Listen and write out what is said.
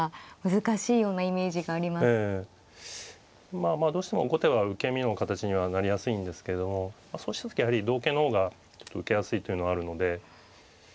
まあまあどうしても後手は受け身の形にはなりやすいんですけどもそうした時やはり同形の方が受けやすいというのはあるので。